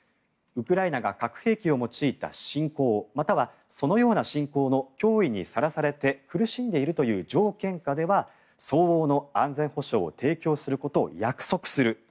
ウクライナが核兵器を用いた侵攻またはそのような侵攻の脅威にさらされて苦しんでいるという条件下では相応の安全保障を提供することを約束する